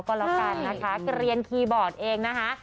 ก็แล้วกันนะคะเกรียนคีย์บอร์ดเองนะคะ